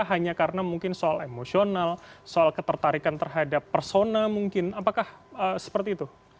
hanya karena mungkin soal emosional soal ketertarikan terhadap persona mungkin apakah seperti itu